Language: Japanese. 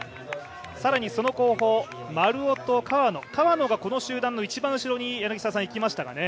更にその後方、丸尾と川野川野がこの集団の一番後ろに行きましたかね。